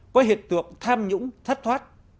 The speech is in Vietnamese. có hiện tượng tham nhũng thất thoát